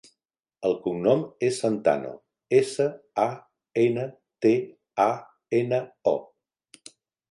El cognom és Santano: essa, a, ena, te, a, ena, o.